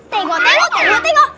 tengok tengok tengok tengok